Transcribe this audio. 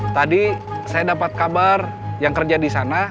tadi saya dapet kabar yang kerja disana